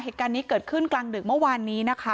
เหตุการณ์นี้เกิดขึ้นกลางดึกเมื่อวานนี้นะคะ